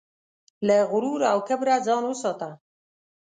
له غرور او کبره ځان وساته.